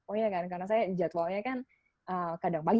oh iya kan karena saya jadwalnya kan kadang pagi kadang siang kadang malam